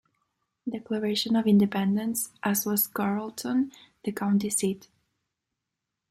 Declaration of Independence, as was Carrollton, the county seat.